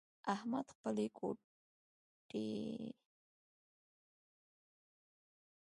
احمد خپلې خوټې تلي.